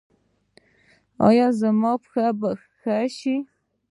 ایا زما پښې به ښې شي؟